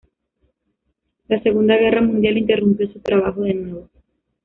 La Segunda Guerra Mundial interrumpió su trabajo de nuevo.